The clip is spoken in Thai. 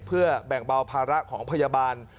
เพื่อแบ่งเบาภาระของพยาบาล